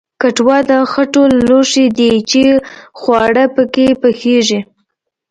کټوه د خټو لوښی دی چې خواړه پکې پخیږي